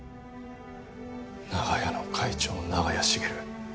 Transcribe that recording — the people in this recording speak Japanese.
長屋の会長長屋茂。